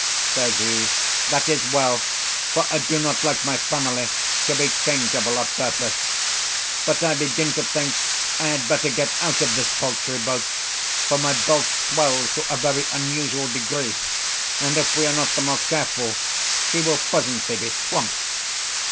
says he; "that is well, for I do not like my family to be changeable of purpose. But I begin to think I had better get out of this paltry boat, for my bulk swells to a very unusual degree, and if we are not the more careful, she will presently be swamped."